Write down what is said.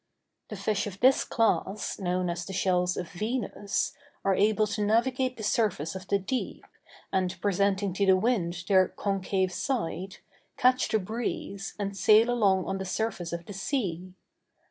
The fish of this class, known as the shells of Venus, are able to navigate the surface of the deep, and, presenting to the wind their concave side, catch the breeze, and sail along on the surface of the sea.